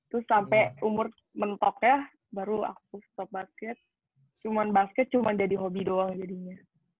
terus sampai umur mentoknya baru aku stop basket cuma basket cuma jadi hobi doang jadinya